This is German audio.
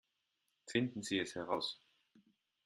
Finden Sie es heraus